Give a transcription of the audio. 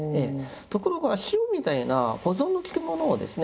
ところが塩みたいな保存のきくものをですね